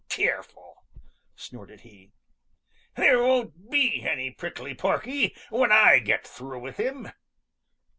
Careful!" snorted he. "There won't be any Prickly Porky when I get through with him!"